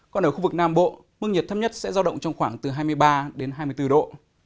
còn ở khu vực nam bộ mức nhiệt thấp nhất sẽ giao động trong khoảng từ hai mươi ba đến hai mươi bốn độ